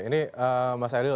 ini mas aidil